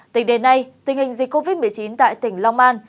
tỉnh đề này tình hình dịch covid một mươi chín tại tỉnh long an